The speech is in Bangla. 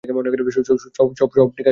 সব ঠিক আসবে ধীরে ধীরে।